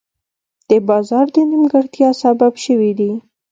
د بازار د نیمګړتیا سبب شوي دي.